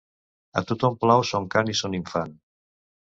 A tothom plau son cant i son infant.